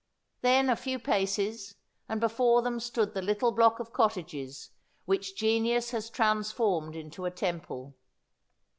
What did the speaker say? Then a few paces, and before them stood the little block of cottages which genius has transformed into a temple.